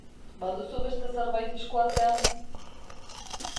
Baduzu beste zerbait esku artean?